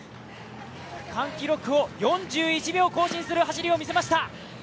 区間記録を４１秒更新する走りを見せました。